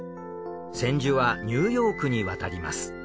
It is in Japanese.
千住はニューヨークに渡ります。